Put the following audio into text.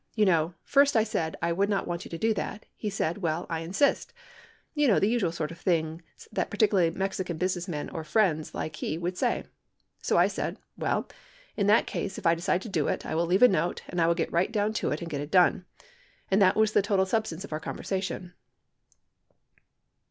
You know, first I said I would not want you to do that. He said, well, T insist. You know, the usual sort of things that particularly Mexican businessmen or friends like he would say. So I said, well, in that case if I decide to do it I will leave a note and I will get right down to it and get it done. And that was the total substance of our conversation.